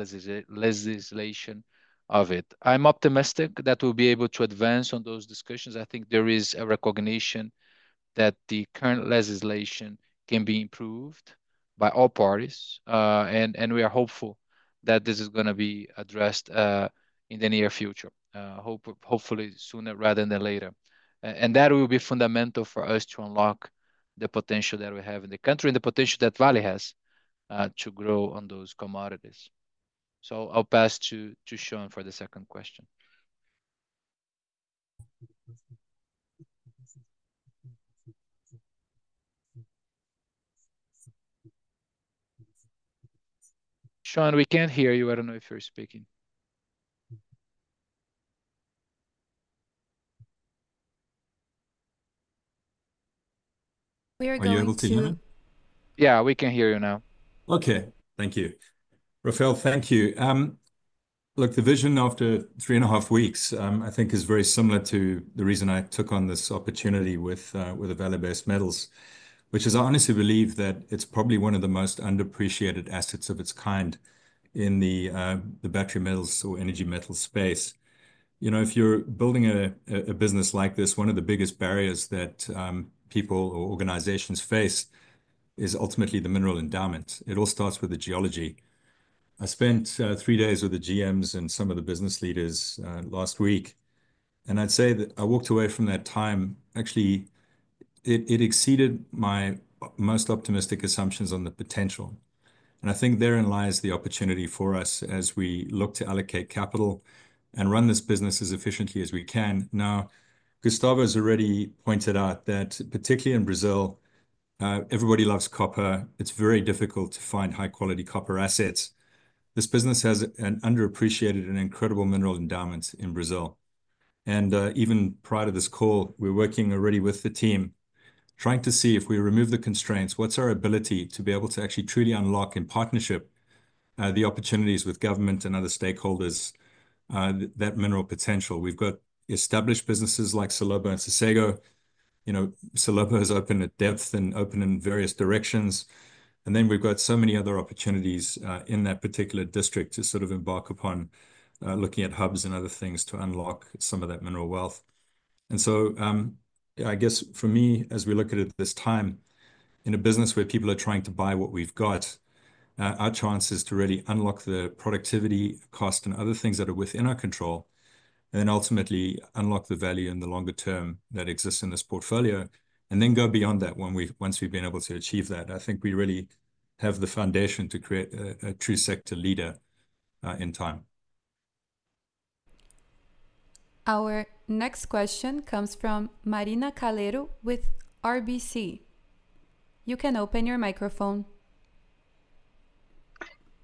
legislation of it. I'm optimistic that we'll be able to advance on those discussions. I think there is a recognition that the current legislation can be improved by all parties. And we are hopeful that this is gonna be addressed in the near future, hopefully sooner rather than later. And that will be fundamental for us to unlock the potential that we have in the country and the potential that Vale has to grow on those commodities. So I'll pass to Shaun for the second question. Shaun, we can't hear you. I don't know if you're speaking. We are going to- Are you able to hear me? Yeah, we can hear you now. Okay. Thank you. Rafael, thank you. Look, the vision after three and a half weeks, I think is very similar to the reason I took on this opportunity with the Vale Base Metals, which is I honestly believe that it's probably one of the most underappreciated assets of its kind in the battery metals or energy metal space. You know, if you're building a business like this, one of the biggest barriers that people or organizations face is ultimately the mineral endowment. It all starts with the geology. I spent three days with the GMs and some of the business leaders last week, and I'd say that I walked away from that time. Actually, it exceeded my most optimistic assumptions on the potential. And I think therein lies the opportunity for us as we look to allocate capital and run this business as efficiently as we can. Now, Gustavo's already pointed out that particularly in Brazil, everybody loves copper. It's very difficult to find high-quality copper assets. This business has an underappreciated and incredible mineral endowment in Brazil, and, even prior to this call, we're working already with the team, trying to see if we remove the constraints, what's our ability to be able to actually truly unlock in partnership, the opportunities with government and other stakeholders, that mineral potential? We've got established businesses like Salobo and Sossego. You know, Salobo is open at depth and open in various directions. And then we've got so many other opportunities in that particular district to sort of embark upon looking at hubs and other things to unlock some of that mineral wealth. And so I guess for me, as we look at it this time, in a business where people are trying to buy what we've got, our chance is to really unlock the productivity, cost, and other things that are within our control, and ultimately unlock the value in the longer term that exists in this portfolio, and then go beyond that once we've been able to achieve that. I think we really have the foundation to create a true sector leader in time. Our next question comes from Marina Calero with RBC. You can open your microphone.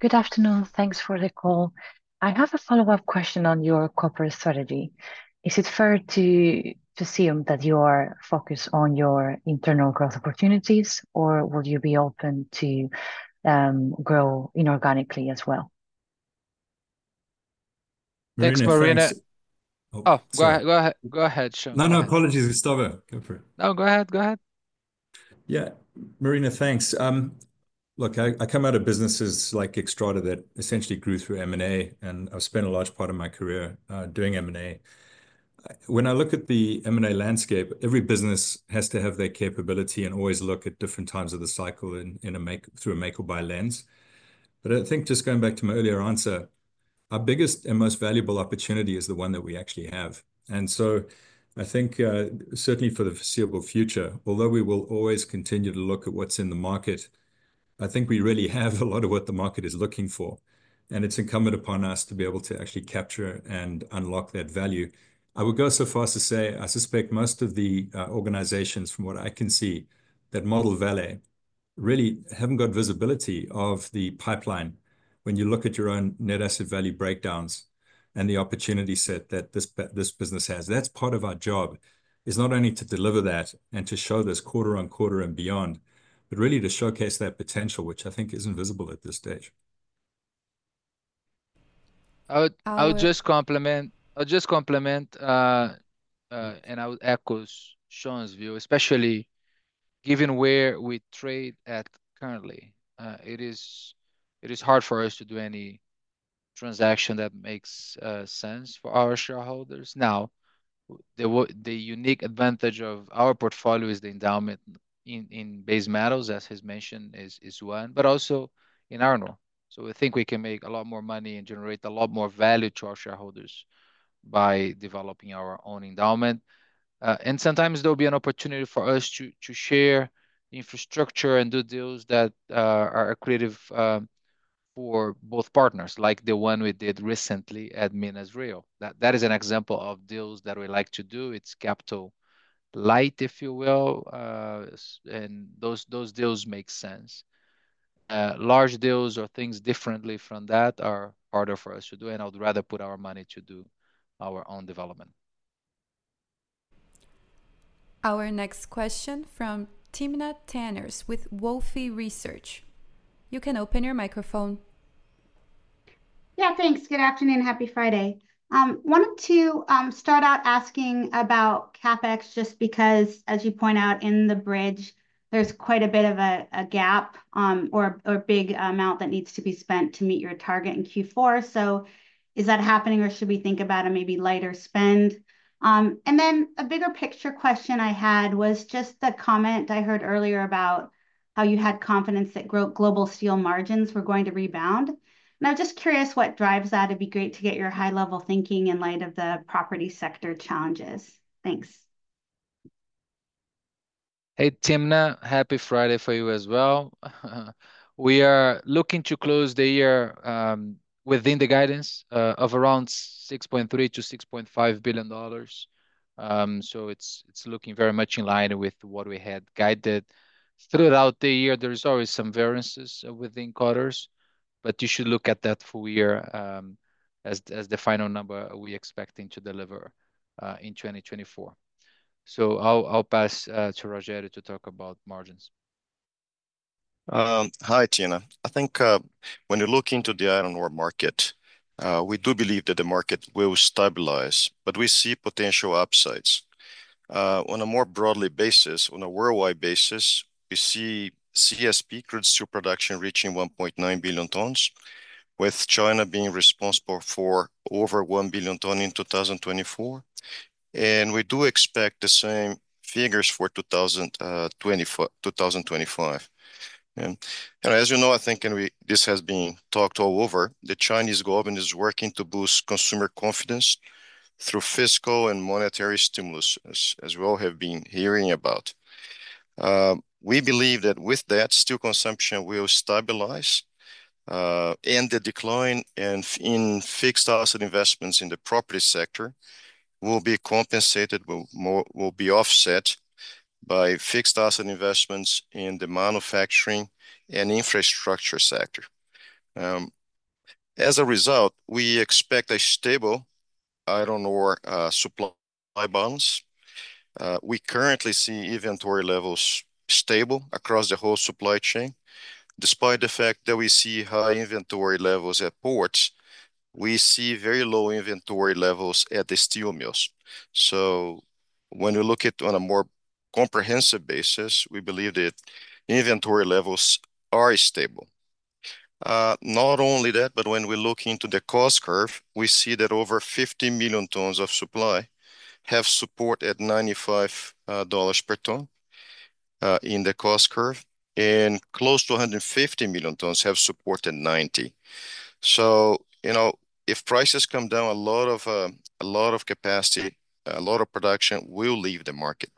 Good afternoon. Thanks for the call. I have a follow-up question on your corporate strategy. Is it fair to assume that you are focused on your internal growth opportunities, or would you be open to grow inorganically as well?... Thanks, Marina. Oh, go ahead, go ahead, Shaun. No, no, apologies, Gustavo. Go for it. No, go ahead, go ahead. Yeah, Marina, thanks. Look, I come out of businesses like Xstrata that essentially grew through M&A, and I've spent a large part of my career doing M&A. When I look at the M&A landscape, every business has to have that capability and always look at different times of the cycle in a make-through a make-or-buy lens. But I think just going back to my earlier answer, our biggest and most valuable opportunity is the one that we actually have. And so, I think certainly for the foreseeable future, although we will always continue to look at what's in the market, I think we really have a lot of what the market is looking for, and it's incumbent upon us to be able to actually capture and unlock that value. I would go so far as to say, I suspect most of the organizations, from what I can see, that model Vale really haven't got visibility of the pipeline when you look at your own net asset value breakdowns and the opportunity set that this business has. That's part of our job, is not only to deliver that and to show this quarter on quarter and beyond, but really to showcase that potential, which I think isn't visible at this stage. I would- Our- I would just complement and I would echo Shaun's view, especially given where we trade at currently. It is hard for us to do any transaction that makes sense for our shareholders. Now, the unique advantage of our portfolio is the endowment in base metals, as he's mentioned, is one, but also in iron ore. So we think we can make a lot more money and generate a lot more value to our shareholders by developing our own endowment. And sometimes there will be an opportunity for us to share infrastructure and do deals that are accretive for both partners, like the one we did recently at Minas-Rio. That is an example of deals that we like to do. It's capital light, if you will. And those deals make sense. Large deals or things differently from that are harder for us to do, and I'd rather put our money to do our own development. Our next question from Timna Tanners with Wolfe Research. You can open your microphone. Yeah, thanks. Good afternoon, happy Friday. Wanted to start out asking about CapEx, just because as you point out in the bridge, there's quite a bit of a gap or big amount that needs to be spent to meet your target in Q4. So is that happening, or should we think about a maybe lighter spend? And then a bigger picture question I had was just the comment I heard earlier about how you had confidence that global steel margins were going to rebound. And I'm just curious what drives that. It'd be great to get your high-level thinking in light of the property sector challenges. Thanks. Hey, Timna, happy Friday for you as well. We are looking to close the year within the guidance of around $6.3-$6.5 billion. So it's looking very much in line with what we had guided. Throughout the year, there is always some variances within quarters, but you should look at that full year as the final number we expecting to deliver in 2024. So I'll pass to Rogério to talk about margins. Hi, Timna. I think, when you look into the iron ore market, we do believe that the market will stabilize, but we see potential upsides. On a more broadly basis, on a worldwide basis, we see CSP crude steel production reaching 1.9 billion tonnes, with China being responsible for over 1 billion tonne in 2024, and we do expect the same figures for 2025. And as you know, I think, this has been talked all over, the Chinese government is working to boost consumer confidence through fiscal and monetary stimulus, as we all have been hearing about. We believe that with that, steel consumption will stabilize, and the decline and in fixed asset investments in the property sector will be compensated more, will be offset by fixed asset investments in the manufacturing and infrastructure sector. As a result, we expect a stable iron ore supply balance. We currently see inventory levels stable across the whole supply chain. Despite the fact that we see high inventory levels at ports, we see very low inventory levels at the steel mills. So when we look at on a more comprehensive basis, we believe that inventory levels are stable. Not only that, but when we look into the cost curve, we see that over 50 million tonnes of supply have support at $95 per tonne in the cost curve, and close to 150 million tonnes have support at $90. So, you know, if prices come down, a lot of capacity, a lot of production will leave the market.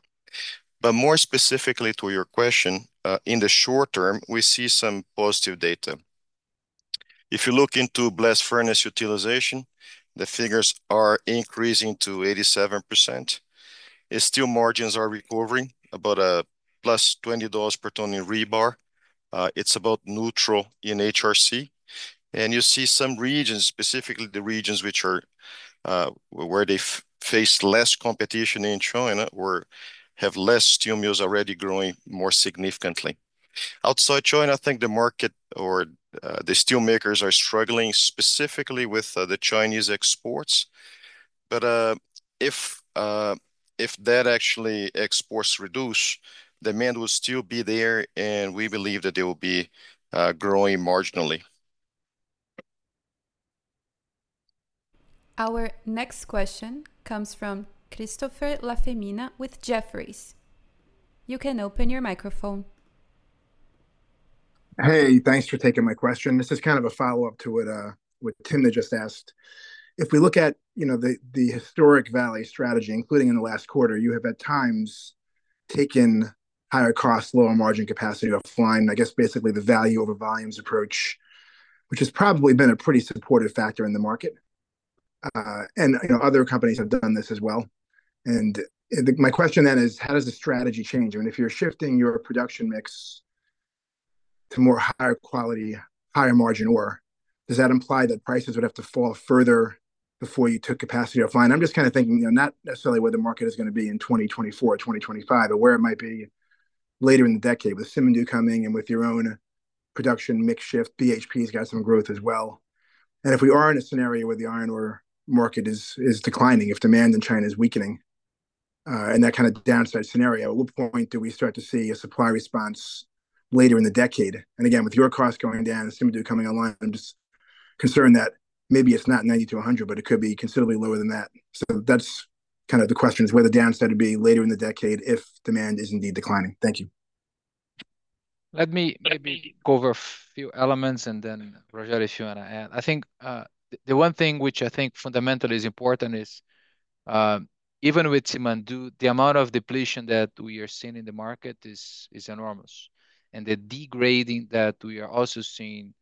But more specifically to your question, in the short term, we see some positive data. If you look into blast furnace utilization, the figures are increasing to 87%, and steel margins are recovering about plus $20 per ton in rebar. It's about neutral in HRC. And you see some regions, specifically the regions which are where they face less competition in China or have less steel mills already growing more significantly. Outside China, I think the market or the steelmakers are struggling specifically with the Chinese exports. But if that actually exports reduce, demand will still be there, and we believe that they will be growing marginally. Our next question comes from Christopher LaFemina with Jefferies. You can open your microphone. Hey, thanks for taking my question. This is kind of a follow-up to what Tim had just asked. If we look at, you know, the historic Vale strategy, including in the last quarter, you have at times taken higher cost, lower margin capacity offline, I guess basically the value over volumes approach, which has probably been a pretty supportive factor in the market. And, you know, other companies have done this as well. And my question then is: how does the strategy change? I mean, if you're shifting your production mix to more higher quality, higher margin ore, does that imply that prices would have to fall further before you took capacity offline? I'm just kinda thinking, you know, not necessarily where the market is gonna be in 2024, 2025, but where it might be later in the decade. With Simandou coming and with your own production mix shift, BHP's got some growth as well, and if we are in a scenario where the iron ore market is declining, if demand in China is weakening, and that kind of downside scenario, at what point do we start to see a supply response later in the decade? And again, with your costs going down and Simandou coming online, I'm just concerned that maybe it's not ninety to a hundred, but it could be considerably lower than that. So that's kind of the question is, where the downside would be later in the decade if demand is indeed declining. Thank you. Let me maybe go over a few elements, and then Rogério and Joana. I think the one thing which I think fundamentally is important is even with Simandou, the amount of depletion that we are seeing in the market is enormous. The degrading that we are also seeing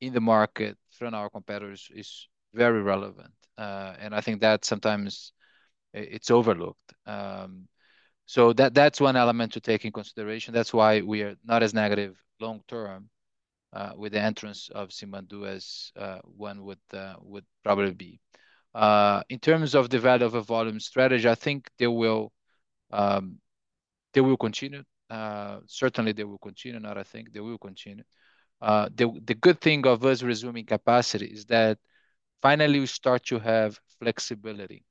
in the market from our competitors is very relevant. I think that sometimes it's overlooked. So that's one element to take in consideration. That's why we are not as negative long term with the entrance of Simandou as one would probably be. In terms of the value of a volume strategy, I think they will continue. Certainly they will continue, not I think, they will continue. The good thing of us resuming capacity is that finally we start to have flexibility,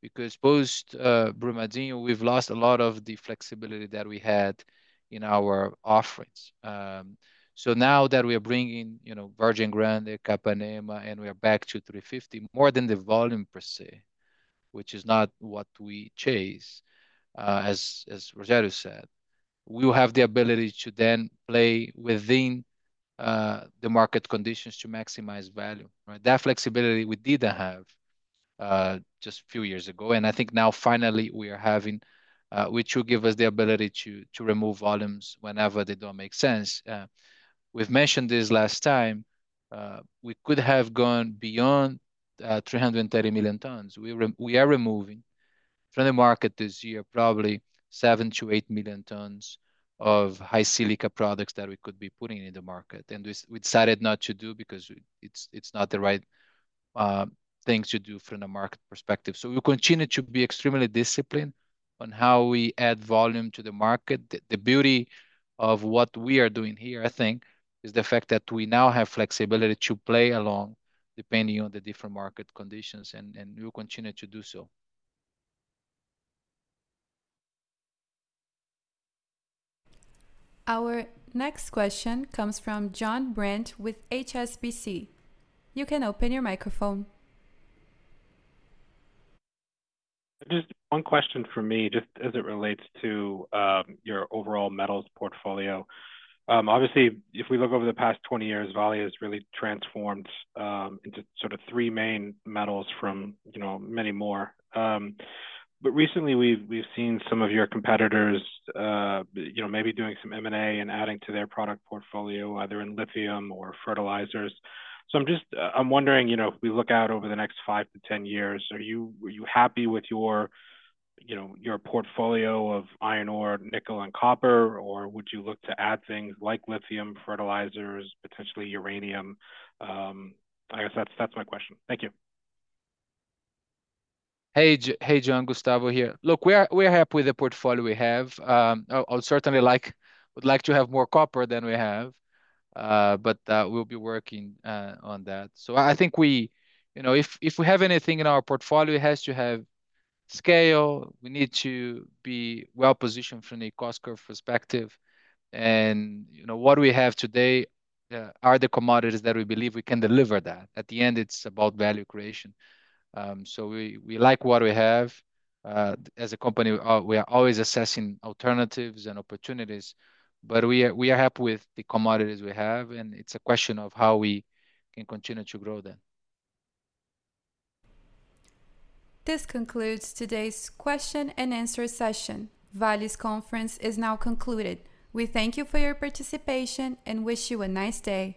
because post-Brumadinho, we've lost a lot of the flexibility that we had in our offerings. So now that we are bringing, you know, Vargem Grande, Capanema, and we are back to 350, more than the volume per se, which is not what we chase, as Rogério said, we will have the ability to then play within the market conditions to maximize value, right? That flexibility we didn't have just a few years ago, and I think now finally we are having, which will give us the ability to remove volumes whenever they don't make sense. We've mentioned this last time, we could have gone beyond 330 million tons. We are removing from the market this year, probably seven-to-eight million tons of high-silica products that we could be putting in the market, and we decided not to do because it's not the right thing to do from the market perspective. So we'll continue to be extremely disciplined on how we add volume to the market. The beauty of what we are doing here, I think, is the fact that we now have flexibility to play along, depending on the different market conditions, and we will continue to do so. Our next question comes from Jon Brandt with HSBC. You can open your microphone. Just one question from me, just as it relates to, your overall metals portfolio. Obviously, if we look over the past twenty years, Vale has really transformed into sort of three main metals from, you know, many more. But recently we've seen some of your competitors, you know, maybe doing some M&A and adding to their product portfolio, either in lithium or fertilizers. So I'm just, I'm wondering, you know, if we look out over the next five to ten years, are you-- were you happy with your, you know, your portfolio of iron ore, nickel, and copper, or would you look to add things like lithium, fertilizers, potentially uranium? I guess that's my question. Thank you. Hey, Jon, Gustavo here. Look, we are happy with the portfolio we have. I'd certainly like, we'd like to have more copper than we have, but we'll be working on that. So I think you know, if we have anything in our portfolio, it has to have scale. We need to be well-positioned from the cost curve perspective. You know, what we have today are the commodities that we believe we can deliver that. At the end, it's about value creation. So we like what we have. As a company, we are always assessing alternatives and opportunities, but we are happy with the commodities we have, and it's a question of how we can continue to grow them. This concludes today's question and answer session. Vale's conference is now concluded. We thank you for your participation and wish you a nice day.